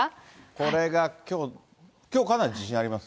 これがきょう、きょうかなり自信あります？